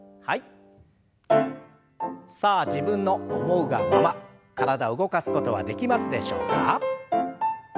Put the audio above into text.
さあ自分の思うがまま体動かすことはできますでしょうか。